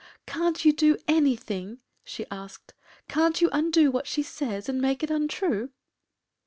“Can’t you do anything?” she asked. “Can’t you undo what she says, and make it untrue?